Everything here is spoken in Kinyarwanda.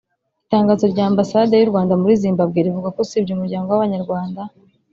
Itangazo rya Ambasade y’u Rwanda muri Zimbabwe rivuga ko usibye Umuryango w’Abanyarwanda